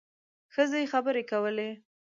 ښځې خبرې کولې.